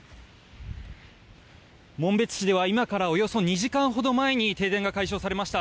紋別市では今からおよそ２時間ほど前に停電が解消されました。